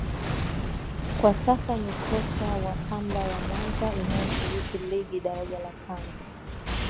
kwa sasa ni kocha wa Pamba ya Mwanza inayoshiriki Ligi Daraja La Kwanza